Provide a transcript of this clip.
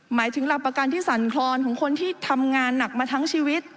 หมายถึงหลักประกันที่สั่นคลอนของคนที่ทำงานหนักมาทั้งชีวิต